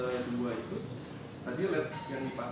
sebenarnya tadi kan kelihatannya menarik